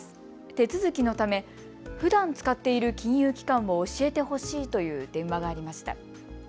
手続きのためふだん使っている金融機関を教えてほしいという電話がありました。